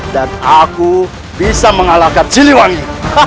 dan aku bisa mengalahkan siliwangi